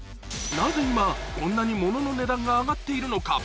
なぜ今こんなにモノの値段が上がっているのか？